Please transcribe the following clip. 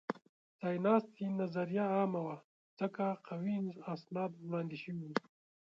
ځایناستې نظریه عامه وه؛ ځکه قوي اسناد وړاندې شوي وو.